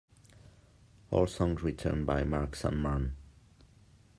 All songs written by Mark Sandman.